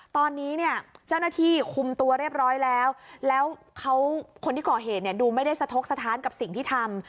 ตอนนี้เนี่ยเจ้าหน้าที่คุมตัวเรียบร้อยแล้วแล้วเขาคนที่ก่อเหตุเนี่ยดูไม่ได้สะทกสะท้านกับสิ่งที่ทำ